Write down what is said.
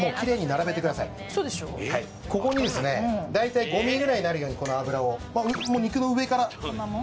ここにですね大体５ｍｍぐらいになるようにこの油をもう肉の上からこんなもん？